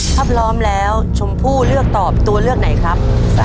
ถ้าพร้อมแล้วชมพู่เลือกตอบตัวเลือกไหนครับ